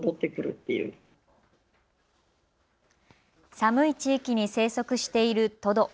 寒い地域に生息しているトド。